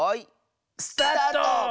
スタート！